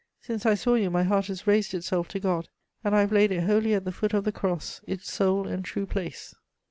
Since I saw you, my heart has raised itself to God, and I have laid it wholly at the foot of the Cross, its sole and true place."